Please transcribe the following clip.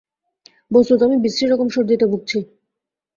বস্তুত আমি বিশ্রী-রকম সর্দিতে ভুগছি।